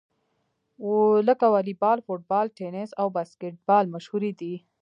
لکه واليبال، فوټبال، ټېنیس او باسکیټبال مشهورې دي.